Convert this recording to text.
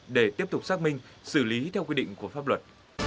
để tiếp tục xác minh xử lý theo quy định của pháp luật